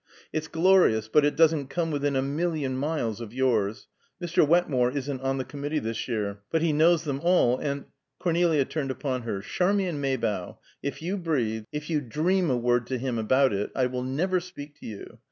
"It's glorious, but it doesn't come within a million miles of yours. Mr. Wetmore isn't on the Committee, this year, but he knows them all, and " Cornelia turned upon her. "Charmian Maybough, if you breathe, if you dream a word to him about it I will never speak to you.